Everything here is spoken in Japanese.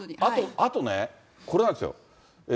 あとね、これなんですよ。